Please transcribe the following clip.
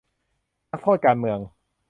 นักโทษการเมือง